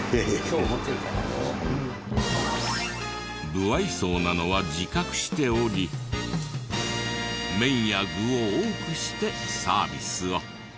無愛想なのは自覚しており麺や具を多くしてサービスを。